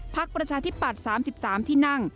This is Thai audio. ประชาธิปัตย์๓๓ที่นั่ง